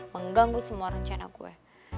mengganggu semua rencana gue